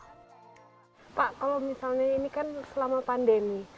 pak kalau misalnya ini kan selama pandemi